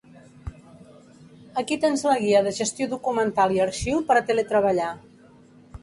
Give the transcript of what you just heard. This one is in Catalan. Aquí tens la Guia de Gestió Documental i Arxiu per a teletreballar.